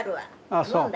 あっそう。